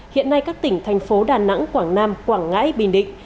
hiện nay các tỉnh thành phố đà nẵng quảng nam quảng ngãi bình định